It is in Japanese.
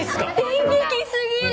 電撃過ぎる！